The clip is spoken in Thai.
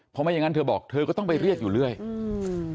เพราะไม่อย่างงั้นเธอบอกเธอก็ต้องไปเรียกอยู่เรื่อยอืม